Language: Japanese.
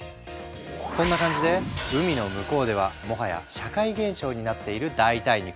そんな感じで海の向こうではもはや社会現象になっている代替肉。